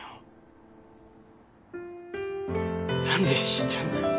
何で死んじゃうんだよ。